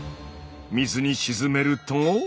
水に沈めると。